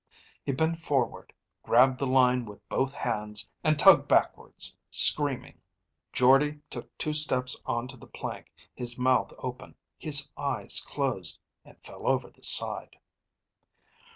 He bent forward, grabbed the line with both hands, and tugged backwards, screaming. Jordde took two steps onto the plank, his mouth open, his eyes closed, and fell over the side.